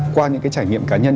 qua những trải nghiệm cá nhân